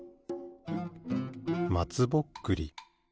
まつぼっくり。